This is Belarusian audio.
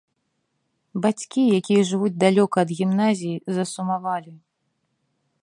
Бацькі, якія жывуць далёка ад гімназій, засумавалі.